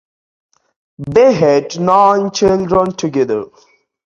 They had nine children together.